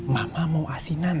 mama mau asinan